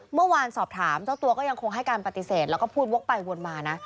เมื่อวานสอบถามเจ้าตัวก็ยังคงให้การปฏิเสธแล้วก็พูดวกไปวนมานะ